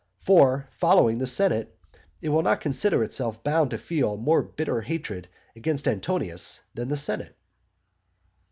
For, following the senate, it will not consider itself bound to feel more bitter hatred against Antonius than the senate.